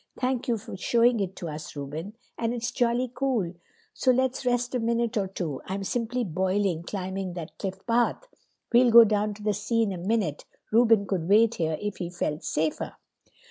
"Thank you for showing it to us, Reuben. And it's jolly cool. Do let's rest a minute or two. I'm simply boiling, climbing that cliff path. We'll go down to the sea in a minute. Reuben could wait here if he felt safer."